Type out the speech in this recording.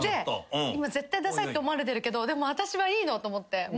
今絶対ダサいって思われてるけどでも私はいいのと思って。